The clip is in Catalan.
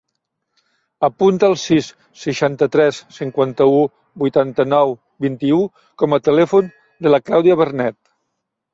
Apunta el sis, seixanta-tres, cinquanta-u, vuitanta-nou, vint-i-u com a telèfon de la Clàudia Bernet.